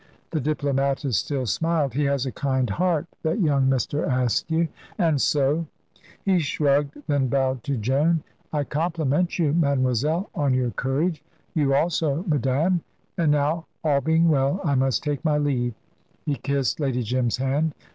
The diplomatist still smiled. "He has a kind heart, that young Mr. Askew, and so " he shrugged, then bowed to Joan. "I compliment you, mademoiselle, on your courage. You also, madame. And now, all being well, I must take my leave"; he kissed Lady Jim's hand.